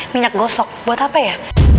minyak gosok buat apa ya